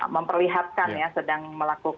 memperlihatkan ya sedang melakukan